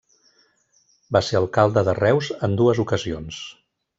Va ser alcalde de Reus en dues ocasions.